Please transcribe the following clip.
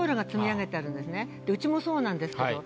うちもそうなんですけど。